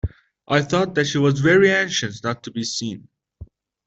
I thought that she was very anxious not to be seen.